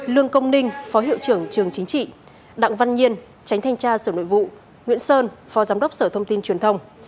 lương công ninh phó hiệu trưởng trường chính trị đặng văn nhiên tránh thanh tra sở nội vụ nguyễn sơn phó giám đốc sở thông tin truyền thông